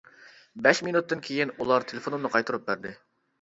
بەش مىنۇتتىن كېيىن، ئۇلار تېلېفونۇمنى قايتۇرۇپ بەردى.